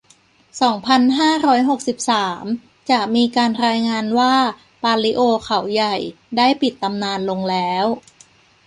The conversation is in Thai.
สองพันห้าร้อยหกสิบสาม จะมีการรายงานว่า ปาลิโอ เขาใหญ่ ได้ปิดตำนานลงแล้ว